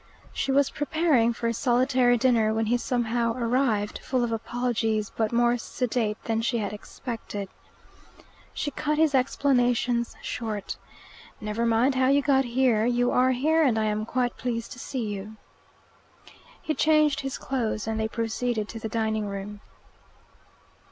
She was preparing for a solitary dinner when he somehow arrived, full of apologies, but more sedate than she had expected. She cut his explanations short. "Never mind how you got here. You are here, and I am quite pleased to see you." He changed his clothes and they proceeded to the dining room.